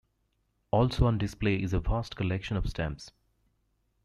Also on display is a vast collection of stamps.